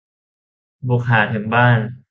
บุกหาถึงบ้าน